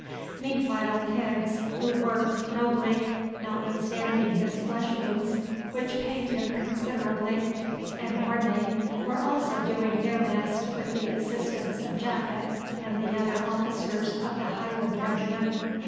Meanwhile Higgs, who worked nobly, notwithstanding his flesh wounds, which pained him considerably, and Orme were also doing their best with the assistance of Japhet and the other officers of the highland regiment.